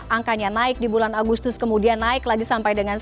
angkanya naik di bulan agustus kemudian naik lagi sampai di bulan juli